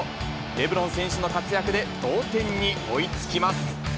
レブロン選手の活躍で同点に追いつきます。